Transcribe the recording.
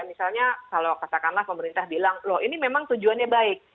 misalnya kalau katakanlah pemerintah bilang loh ini memang tujuannya baik